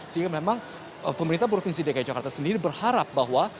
sehingga memang pemerintah provinsi dki jakarta sendiri berharap bahwa